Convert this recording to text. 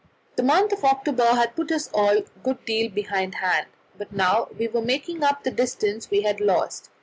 The month of October had put us a good deal behindhand, but now we were making up the distance we had lost.